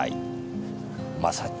まさに。